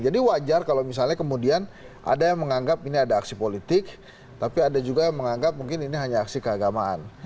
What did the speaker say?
jadi wajar kalau misalnya kemudian ada yang menganggap ini ada aksi politik tapi ada juga yang menganggap mungkin ini hanya aksi keagamaan